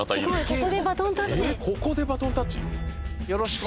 ここでバトンタッチ？